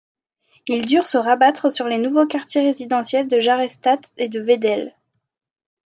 Ils durent se rabattre sur les nouveaux quartiers résidentiels de Jarrestadt et de Veddel.